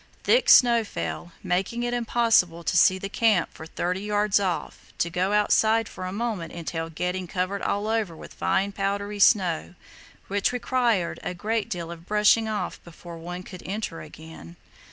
Thick snow fell, making it impossible to see the camp from thirty yards off. To go outside for a moment entailed getting covered all over with fine powdery snow, which required a great deal of brushing off before one could enter again.